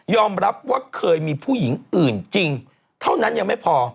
รับว่าเคยมีผู้หญิงอื่นจริงเท่านั้นยังไม่พอ